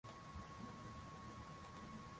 kuumaliza virusi vya ukimwi kwenye